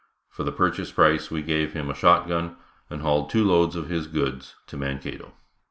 For the purchase price we gave him a shot gun and hauled two loads of his goods to Mankato.